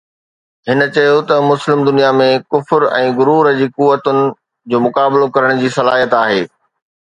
هن چيو ته مسلم دنيا ۾ ڪفر ۽ غرور جي قوتن جو مقابلو ڪرڻ جي صلاحيت آهي